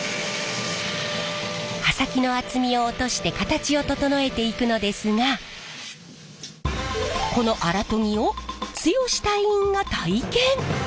刃先の厚みを落として形を整えていくのですがこの荒研ぎを剛隊員が体験。